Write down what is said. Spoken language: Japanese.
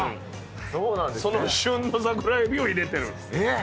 その旬の桜えびを入れてる？